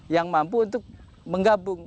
yang mampu untuk menggabungkan